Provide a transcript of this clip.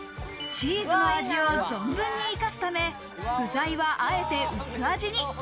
チーズの味を存分に生かすため、具材はあえて薄味に。